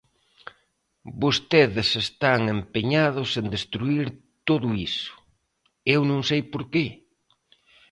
Vostedes están empeñados en destruír todo iso, eu non sei por que.